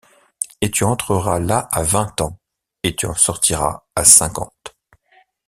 Et tu entreras là à vingt ans, et tu en sortiras à cinquante!